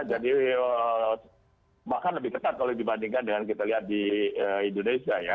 jadi bahkan lebih ketat kalau dibandingkan dengan kita lihat di indonesia ya